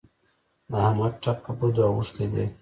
د احمد ټپ په بدو اوښتی دی.